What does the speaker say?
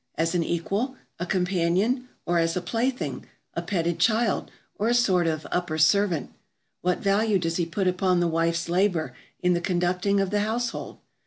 As an equal, a companion, or as a plaything, a petted child, or a sort of upper servant? What value does he put upon the wife's labor in the conducting of the household?